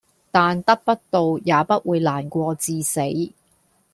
但得不到也不會難過至死